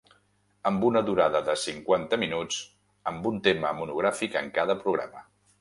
Amb una durada de cinquanta minuts, amb un tema monogràfic en cada programa.